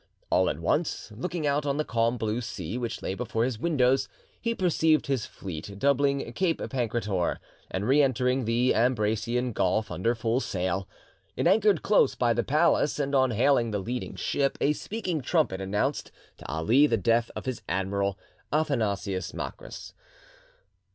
All at once, looking out on the calm blue sea which lay before his windows, he perceived his fleet doubling Cape Pancrator and re entering the Ambracian Gulf under full sail; it anchored close by the palace, and on hailing the leading ship a speaking trumpet announced to Ali the death of his admiral, Athanasius Macrys.